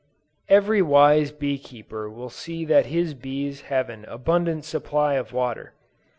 Every wise bee keeper will see that his bees have an abundant supply of water.